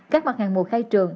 các mặt hàng mùa khai trường